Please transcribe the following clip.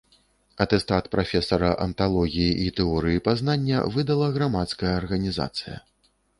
Атэстат прафесара анталогіі і тэорыі пазнання выдала грамадская арганізацыя.